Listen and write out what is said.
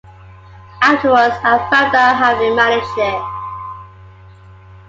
Afterwards I found out how it managed it.